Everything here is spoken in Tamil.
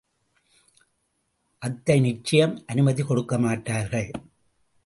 அத்தை நிச்சயம் அனுமதி கொடுக்கமாட்டார்கள்.